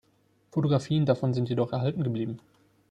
Fotografien davon sind jedoch erhalten geblieben.